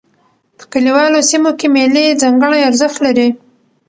په کلیوالو سیمو کښي مېلې ځانګړی ارزښت لري.